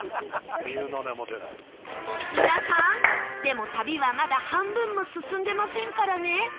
皆さんでも旅はまだ半分も進んでませんからね